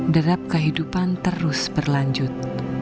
derap kehidupan terus berlanjut